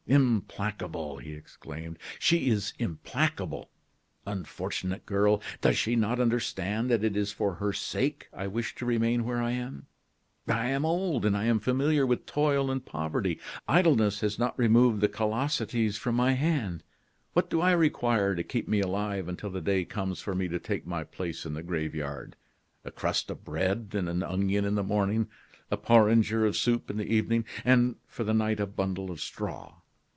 "Implacable!" he exclaimed; "she is implacable. Unfortunate girl! does she not understand that it is for her sake I wish to remain where I am? I am old, and I am familiar with toil and poverty; idleness has not removed the callosities from my hands. What do I require to keep me alive until the day comes for me to take my place in the graveyard? A crust of bread and an onion in the morning, a porringer of soup in the evening, and for the night a bundle of straw.